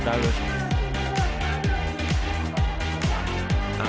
อันดับสุดท้ายของมันก็คือ